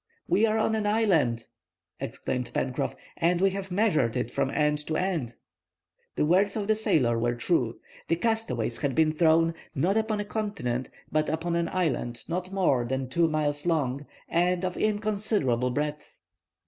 "We are on an island," exclaimed Pencroff; "and we have measured it from end to end!" The words of the sailor were true. The castaways had been thrown, not upon a continent, but upon an island not more than two miles long, and of inconsiderable breadth.